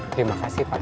terima kasih pak